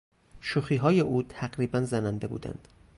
شوخیهای او تقریبا زننده بودند.